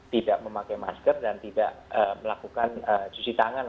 tidak memakai masker dan tidak melakukan cuci tangan